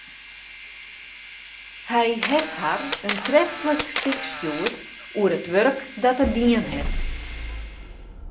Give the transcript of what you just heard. Hy hat har in treflik stik stjoerd oer it wurk dat er dien hat.